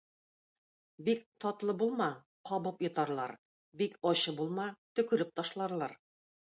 Бик татлы булма кабып йотарлар, бик ачы булма — төкереп ташларлар.